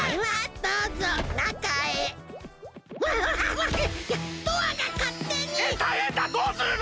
どうするの！？